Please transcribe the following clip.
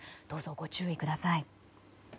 どうぞご注意ください。